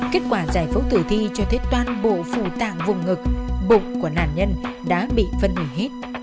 kết quả giải phẫu tử thi cho thấy toàn bộ phủ tạng vùng ngực bụng của nạn nhân đã bị phân hủy hết